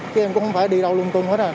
chứ em cũng không phải đi đâu lung tung hết à